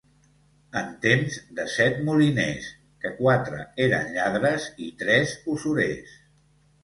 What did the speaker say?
En temps de set moliners, que quatre eren lladres i tres usurers.